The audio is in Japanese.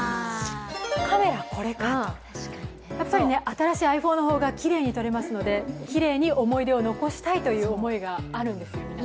やっぱり新しいｉＰｈｏｎｅの方がきれいに撮れますので、きれいに思い出を残したいという思いがあるんですよね。